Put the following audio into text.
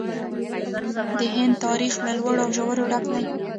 د هند تاریخ له لوړو او ژورو ډک دی.